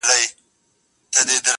زه خو نه غواړم ژوندون د بې هنبرو-